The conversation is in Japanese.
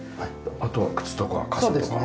あとは靴とか傘とか。